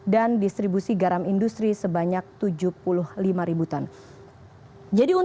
dan distribusi garam industri sebanyak tujuh puluh lima ributan